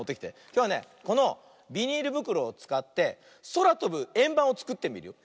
きょうはねこのビニールぶくろをつかってそらとぶえんばんをつくってみるよ。